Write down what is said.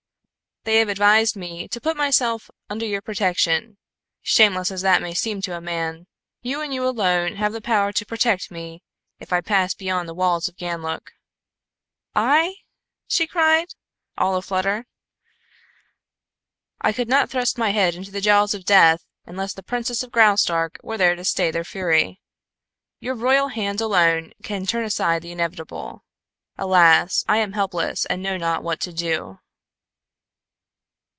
"They have advised me to put myself under your protection, shameless as that may seem to a man. You and you alone have the power to protect me if I pass beyond the walls of Ganlook." "I?" she cried, all a flutter. "I could not thrust my head into the jaws of death unless the princess of Graustark were there to stay their fury. Your royal hand alone can turn aside the inevitable. Alas, I am helpless and know not what to do."